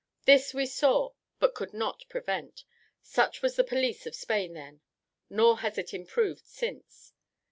This we saw, but could not prevent; such was the police of Spain then, nor has it improved since.